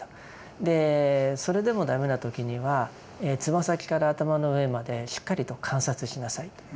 でそれでも駄目な時にはつま先から頭の上までしっかりと観察しなさいと。